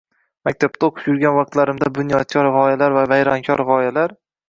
Maktabda o’qib yurgan vaqtlarimda bunyodkor g’oyalar va vayronkor g’oyalar